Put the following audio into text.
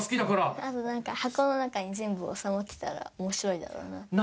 あとなんか、箱の中に全部収まってたらおもしろいだろうな。